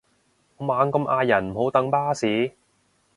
我猛咁嗌人唔好等巴士